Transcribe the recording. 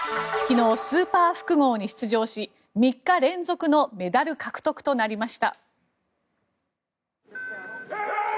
昨日、スーパー複合に出場し３日連続のメダル獲得となりました。